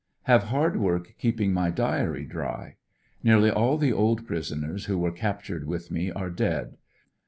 Have hard work keeping my diary dry. Nearl}^ all the old prisoners who were captured with me are dead.